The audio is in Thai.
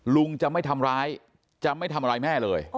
ลุงจะไม่ทำร้ายจะไม่ทำอะไรแม่เลย